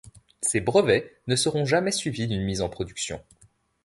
Ces brevets ne seront jamais suivis d'une mise en production.